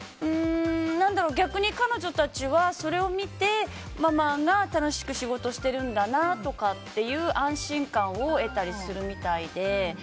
逆に彼女たちはそれを見てママが楽しく仕事してるんだなとか安心感を得たりするみたいで。